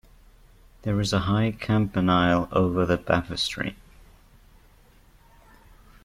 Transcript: There is a high campanile over the baptistry.